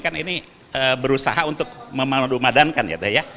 kan ini berusaha untuk memadankan ya deh ya